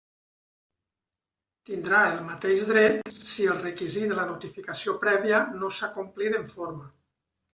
Tindrà el mateix dret si el requisit de la notificació prèvia no s'ha complit en forma.